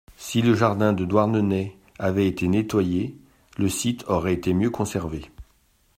Si le jardin de Douarnenez avait été nettoyé le site aurait été mieux conservé.